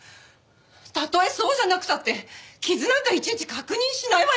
たとえそうじゃなくたって傷なんかいちいち確認しないわよ